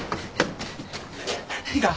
いいか？